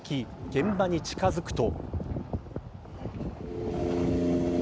現場に近づくと。